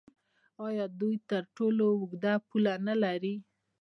آیا دوی تر ټولو اوږده پوله نلري؟